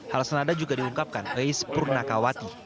hal senada juga diungkapkan reis prunakawati